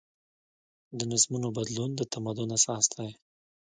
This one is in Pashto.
د نظمونو بدلون د تمدن اساس دی.